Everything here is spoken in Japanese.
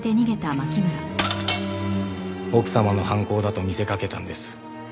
奥様の犯行だと見せかけたんです。